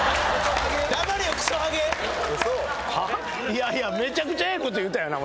いやいやめちゃくちゃええこと言ったよな